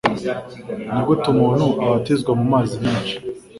ni gute umuntu abatizwa mu mazi menshi